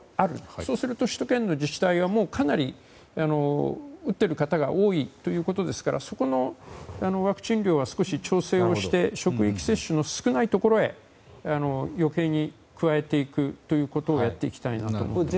そうすると首都圏の自治体はもうかなり打っている方が多いということですからそこのワクチン量は少し調整をして職域接種の少ないところへ余計に加えていくということをやっていきたいなと思っています。